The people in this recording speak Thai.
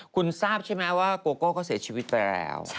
คุณทราบใช่ไหมว่าโกโก้เขาเสียชีวิตไปแล้ว